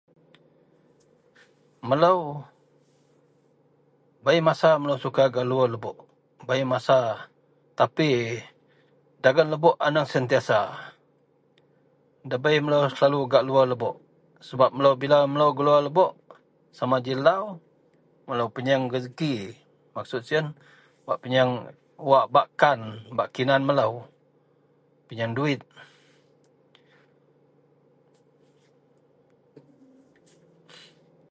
Melou bei masa melou suka gak luwer lebok. Bei masa tapi dagen lebok aneng sentiasa, debei melou selalu gak luwer lebok sebap melou bila melou gak luwer lebok sama ja lau melou pinyieng rezeki, maksud siyen pinyeang bak kinan melou pinyieng duwit.